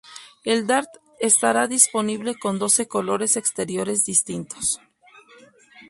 El Dart estará disponible con doce colores exteriores distintos.